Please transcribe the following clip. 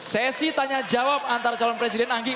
sesi tanya jawab antara calon presiden